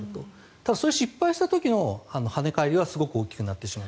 ただ、それ失敗した時の跳ね返りはすごく大きくなってしまう。